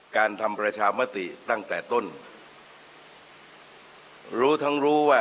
การทำประชามติตั้งแต่ต้น